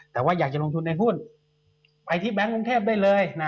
แต่ว่าอยากจะลงทุนในหุ้นไปที่แบงค์กรุงเทพได้เลย